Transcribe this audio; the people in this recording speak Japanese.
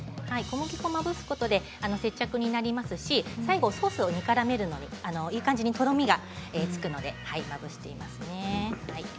小麦粉をまぶすことで接着になりますし最後ソースを煮からめるといい感じにとろみがつくのでまぶしていますね。